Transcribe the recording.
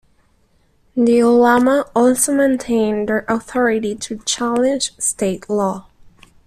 The ulama also maintained their authority to challenge state law.